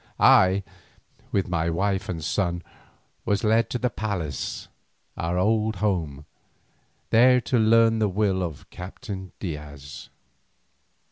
I, with my wife and son, was led to the palace, our old home, there to learn the will of the Captain Diaz.